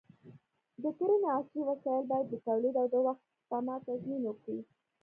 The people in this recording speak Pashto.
د کرنې عصري وسایل باید د تولید او د وخت سپما تضمین وکړي.